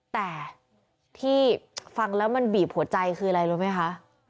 แต่ที่ฟังแล้วมันบีบหัวใจคืออะไรรู้ไหมคะ